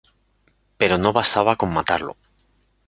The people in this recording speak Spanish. Pero no bastaba con matarlo.